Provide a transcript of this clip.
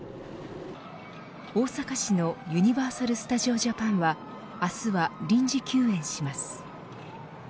大阪市のユニバーサル・スタジオ・ジャパンは明日は臨時休園します。